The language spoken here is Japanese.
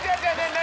何？